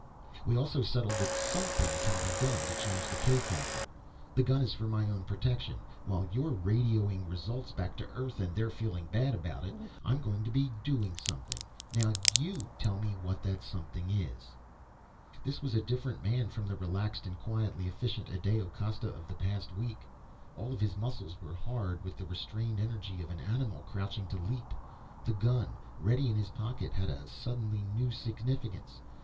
"We also settled that something can be done to change the k factor. The gun is for my own protection. While you're radioing results back to Earth and they're feeling bad about it, I'm going to be doing something. Now you tell me what that something is." This was a different man from the relaxed and quietly efficient Adao Costa of the past week. All of his muscles were hard with the restrained energy of an animal crouching to leap. The gun, ready in his pocket, had a suddenly new significance.